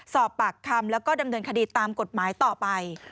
สอบปากคำแล้วก็ดำเนินคดีตามกฎหมายต่อไป